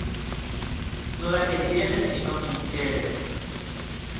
No da quien tiene, sino quien quiere.